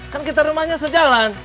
kan kita rumahnya sejalan